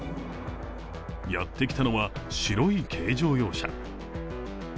やってきたのは、白い軽乗用車。